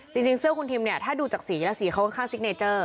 จริงเสื้อคุณทิมเนี่ยถ้าดูจากสีแล้วสีเขาค่อนข้างซิกเนเจอร์